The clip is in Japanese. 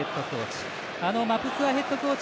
マプスアヘッドコーチ。